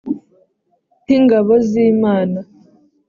nk ingabo z imana